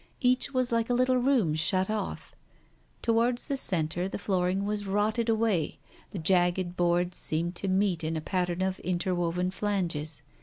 Each was like a little room shut off. Towards the centre the floor ing was rotted away — the jagged boards seemed to meet in a pattern of interwoven flanges.